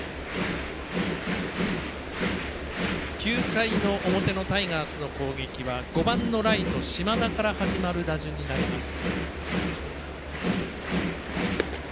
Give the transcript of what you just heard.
９回の表のタイガースの攻撃は５番のライト、島田から始まる打順になります。